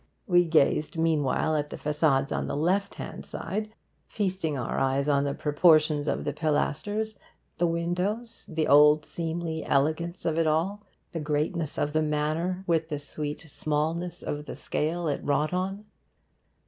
We gazed meanwhile at the facades on the left hand side, feasting our eyes on the proportions of the pilasters, the windows; the old seemly elegance of it all; the greatness of the manner with the sweet smallness of the scale it wrought on.